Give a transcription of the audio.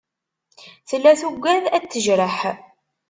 Tella tugad ad t-tejreḥ.